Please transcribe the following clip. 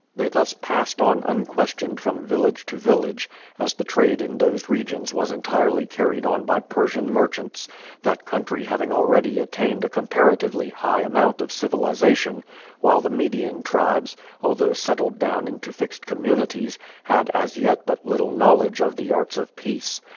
They thus passed on unquestioned from village to village, as the trade in those regions was entirely carried on by Persian merchants, that country having already attained a comparatively high amount of civilization; while the Median tribes, although settled down into fixed communities, had as yet but little knowledge of the arts of peace.